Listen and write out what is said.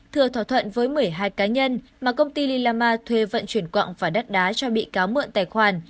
thừa thỏa thuận với một mươi hai cá nhân mà công ty lilama thuê vận chuyển quạng và đất đá cho bị cáo mượn tài khoản